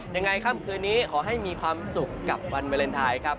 ยังไงค่ำคืนนี้ขอให้มีความสุขกับวันวาเลนไทยครับ